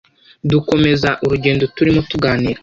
dukomeza urugendo turimo tuganira